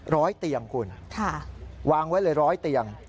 ร้อยเตียงคุณค่ะวางไว้เลยร้อยเตียง